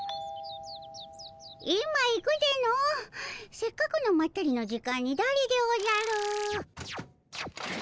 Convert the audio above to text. せっかくのまったりの時間にだれでおじゃる。